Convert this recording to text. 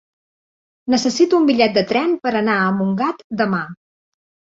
Necessito un bitllet de tren per anar a Montgat demà.